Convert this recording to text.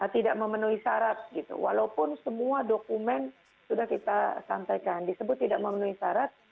tidak memenuhi syarat gitu walaupun semua dokumen sudah kita sampaikan disebut tidak memenuhi syarat